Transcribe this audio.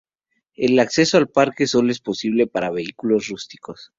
El acceso al parque solo es posible para vehículos rústicos.